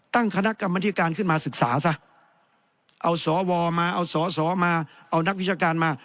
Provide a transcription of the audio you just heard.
ตั้งคณะกรรมธิการขึ้นมาศึกษาซะเอาสวมาเอาสอสอมาเอานักวิชาการมา